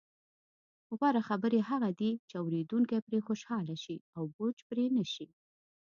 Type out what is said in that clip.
غوره خبرې هغه دي، چې اوریدونکي پرې خوشحاله شي او بوج پرې نه شي.